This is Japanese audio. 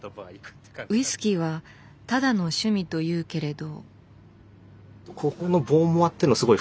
ウイスキーはただの趣味というけれど。